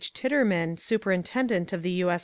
Titt mann, Superintendent of the U. S.